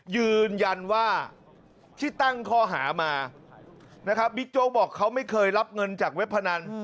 ยืนยันว่าที่ตั้งข้อหามานะครับบิ๊กโจ๊กบอกเขาไม่เคยรับเงินจากเว็บพนัน